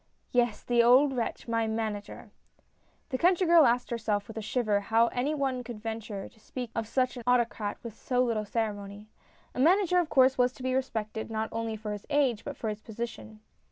" Yes, the old wretch, my Manager !" The country girl asked herself, with a shiver, how any one could venture to speak of such an autocrat with so little ceremony. A Manager of course was to be respected, not only for his age, but for his position.